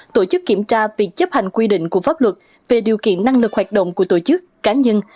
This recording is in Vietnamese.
tổ chức kiểm tra việc chấp hành quy định của pháp luật về điều kiện năng lực hoạt động của tổ chức cá nhân